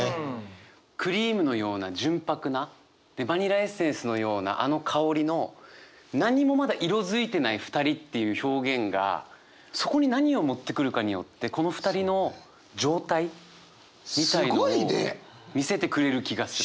クリームのような純白なでバニラエッセンスのようなあの香りの何にもまだ色付いてない二人っていう表現がそこに何を持ってくるかによってこの２人の状態みたいのを見せてくれる気がする。